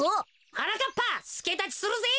はなかっぱすけだちするぜ。